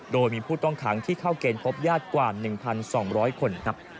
โดยมีผู้ต้องขังที่เข้าเกณฑ์พบญาติกว่า๑๒๐๐คนครับ